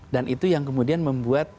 dan itu yang kemudian membuat